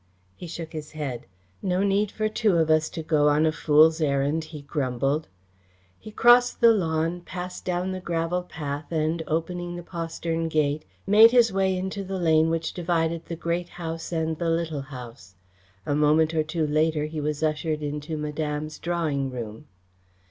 He shook his head. "No need for two of us to go on a fool's errand," he grumbled. He crossed the lawn, passed down a gravel path, and, opening the postern gate, made his way into the lane which divided the Great House and the Little House. A moment or two later he was ushered into Madame's drawing room.